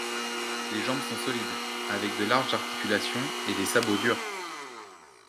Les jambes sont solides, avec de larges articulations et des sabots durs.